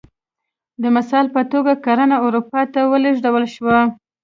د مثال په توګه کرنه اروپا ته ولېږدول شوه